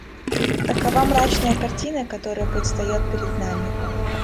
Такова мрачная картина, которая предстает перед нами.